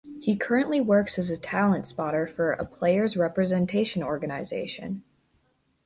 He currently works as a talent-spotter for a players representation organization.